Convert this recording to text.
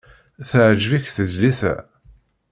Teɛjeb-ik tezlit-a?